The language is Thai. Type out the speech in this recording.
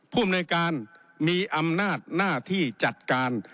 ผู้อำนวยการมีอำนาจหน้าที่จัดการ